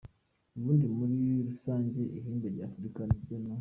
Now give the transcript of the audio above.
Ubundi muri rusange ihembe ry’Africa niryo no.